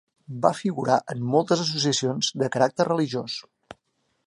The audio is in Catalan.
Va figurar en moltes associacions de caràcter religiós.